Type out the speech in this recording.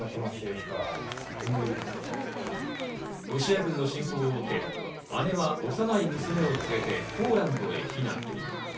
ロシア軍の侵攻を受け、姉は幼い娘を連れてポーランドへ避難。